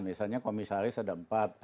misalnya komisaris ada empat